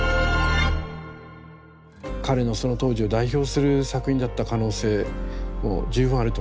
彼のその当時を代表する作品だった可能性も十分あると思うんですね。